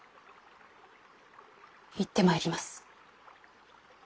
行ってまいります。